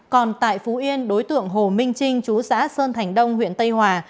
còn tại phú yên đối tượng hồ minh trinh chú xã sơn thành đông huyện tây hòa